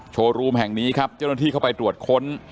โชว์รูมแห่งนี้ครับเจ้าหน้าที่เข้าไปตรวจค้น